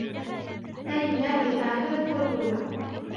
فَلِلَّهِ الْآخِرَةُ وَالْأُولَى